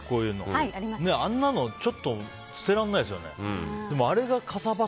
あんなの捨てられないですよね。